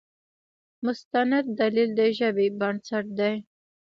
مستند دلیل د ژبې بنسټ دی.